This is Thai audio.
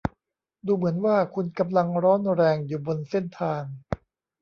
ดูเหมือนว่าคุณกำลังร้อนแรงอยู่บนเส้นทาง